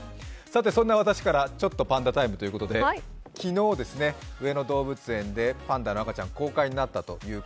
そんな私から「ちょっとパンダＴＩＭＥ，」ということで昨日、上野動物園でパンダの赤ちゃんが公開になりました。